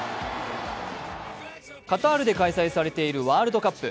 カタールで開催されているワールドカップ。